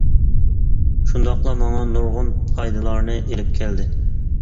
شۇنداقلا ماڭا نۇرغۇن پايدىلارنى ئېلىپ كەلدى.